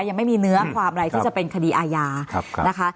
ยังไม่มีเนื้อความอะไรที่จะเป็นคดีอาญานะคะ